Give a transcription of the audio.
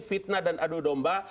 fitnah dan adu domba